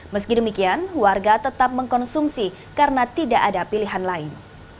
meski demikian warga tetap mengkonsumsi karena tidak ada pilihan lain